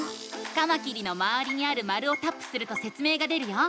カマキリのまわりにある丸をタップするとせつ明が出るよ。